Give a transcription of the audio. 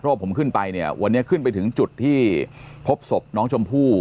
เพราะว่าผมขึ้นไปเนี่ยวันนี้ขึ้นไปถึงจุดที่พบศพน้องชมพู่